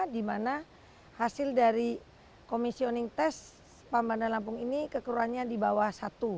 di mana hasil dari komisioning tes spam bandar lampung ini kekeruannya di bawah satu